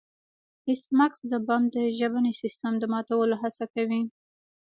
ایس میکس د بم د ژبني سیستم د ماتولو هڅه کوي